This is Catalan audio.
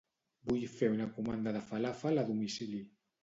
Vull fer una comanda de falàfel a domicili.